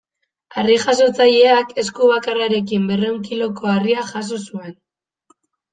Harri-jasotzaileak, esku bakarrarekin berrehun kiloko harria jaso zuen.